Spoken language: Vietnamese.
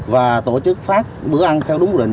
và tổ chức phát bữa ăn theo đúng quy định